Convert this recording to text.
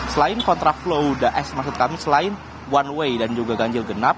selain kontraflow the s maksud kami selain one way dan juga ganjil genap